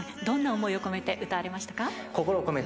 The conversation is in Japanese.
どんな思いを込めて歌われましたか？